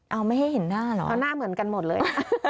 เอาไม่ให้เห็นหน้าเหรอเอาหน้าเหมือนกันหมดเลย